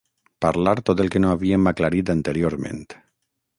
Parlar tot el que no havíem aclarit anteriorment.